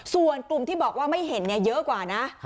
ส่วนกลุ่มที่บอกว่าไม่เห็นเยอะกว่านะ